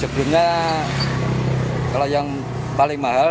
sebelumnya kalau yang paling mahal rp delapan ratus